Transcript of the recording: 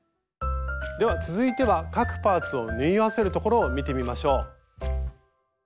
では続いては各パーツを縫い合わせるところを見てみましょう。